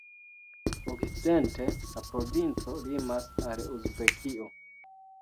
Okcidente la provinco limas al Uzbekio.